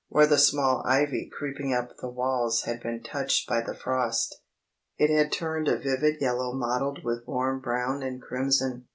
Where the small ivy creeping up the walls had been touched by the frost, it had turned a vivid yellow mottled with warm brown and crimson.